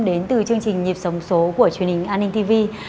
đến từ chương trình nhịp sống số của truyền hình an ninh tv